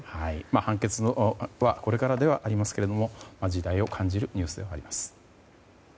判決はこれからではありますが時代を感じるニュースでもあります。